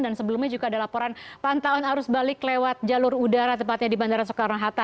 dan sebelumnya juga ada laporan pantauan arus balik lewat jalur udara tepatnya di bandara soekarang hatta